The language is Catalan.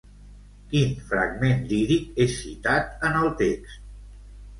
Quin fragment líric és citat en el text?